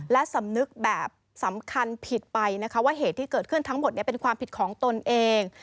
และสำนึกแบบสำคัญผิดไปนะคะว่าเหตุที่เกิดขึ้นทั้งหมดเป็นความผิดของตนเอง